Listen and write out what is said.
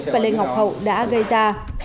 và lê ngọc hậu đã gây ra